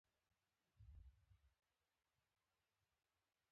د کتاب په شکل یې چاپ کړي دي.